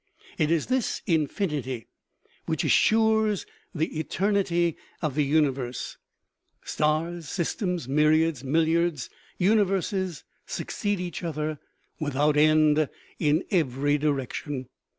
It is this infinity which assures the eternity of the uni verse. Stars, systems, myriads, milliards, universes succeed each other without end in every direction.